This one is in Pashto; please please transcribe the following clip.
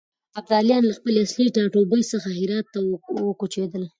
ابداليان له خپل اصلي ټاټوبي څخه هرات ته وکوچېدل.